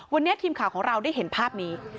วันนี้ทีมข่าวของเราได้เห็นภาพนี้